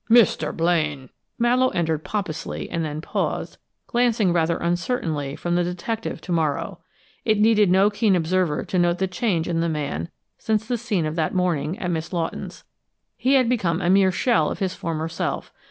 "Mr. Blaine!" Mallowe entered pompously and then paused, glancing rather uncertainly from the detective to Morrow. It needed no keen observer to note the change in the man since the scene of that morning, at Miss Lawton's. He had become a mere shell of his former self.